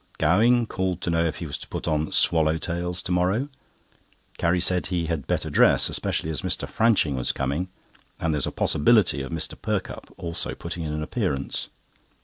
Gowing called to know if he was to put on "swallow tails" to morrow. Carrie said he had better dress, especially as Mr. Franching was coming, and there was a possibility of Mr. Perkupp also putting in an appearance.